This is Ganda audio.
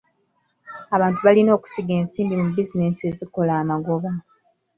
Abantu balina okusiga ensimbi mu bizinensi ezikola amagoba.